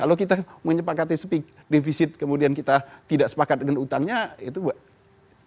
kalau kita menyepakati sepik defisit kemudian kita tidak sepakat dengan hutangnya itu tidak konsekuensi